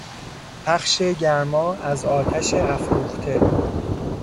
پخش گرما از آتش افروخته